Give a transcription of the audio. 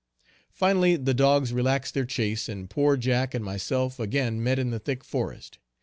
Finally the dogs relaxed their chase and poor Jack and myself again met in the thick forest.